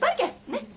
ねっ。